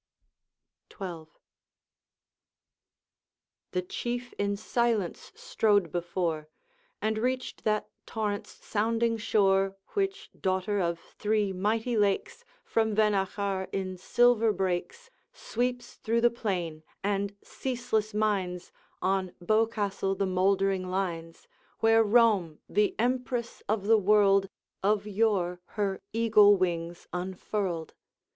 XII. The Chief in silence strode before, And reached that torrent's sounding shore, Which, daughter of three mighty lakes, From Vennachar in silver breaks, Sweeps through the plain, and ceaseless mines On Bochastle the mouldering lines, Where Rome, the Empress of the world, Of yore her eagle wings unfurled.